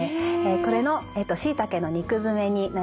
これのしいたけの肉詰めになります。